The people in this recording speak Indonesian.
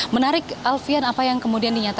menarik alfian apa yang kemudian dinyatakan